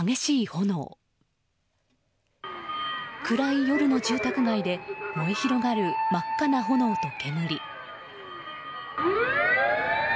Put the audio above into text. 暗い夜の住宅街で燃え広がる真っ赤な炎と煙。